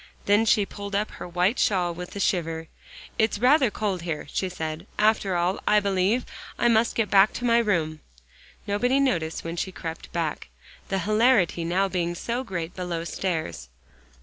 Then she pulled up her white shawl with a shiver. "It's rather cold here," she said; "after all, I believe I must get back to my room." Nobody noticed when she crept back, the hilarity now being so great below stairs.